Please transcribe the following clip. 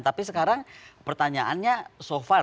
tapi sekarang pertanyaannya so far